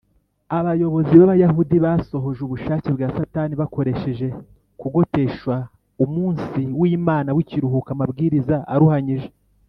abayobozi b’abayahudi basohoje ubushake bwa satani bakoresheje kugotesha umunsi w’imana w’ikiruhuko amabwiriza aruhanyije